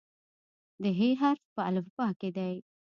د "ح" حرف په الفبا کې دی.